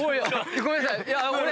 ・ごめんなさい。